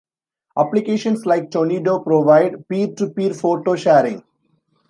Applications like Tonido provide peer-to-peer photo sharing.